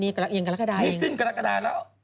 นี่สิ้นกรกฎาแล้ว